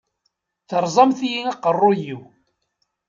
Teṛẓamt-iyi aqeṛṛuy-iw.